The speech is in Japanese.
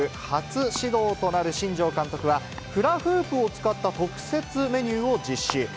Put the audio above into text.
初指導となる新庄監督は、フラフープを使った特設メニューを実施。